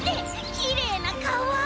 きれいなかわ！